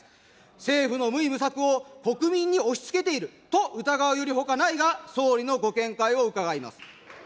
政府の無為無策を国民に押しつけていると疑うよりほかないが、総理のご見解を伺います。